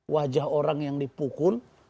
wajah orang yang dipukul